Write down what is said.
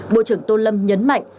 bộ trưởng tôn lâm nhấn mạnh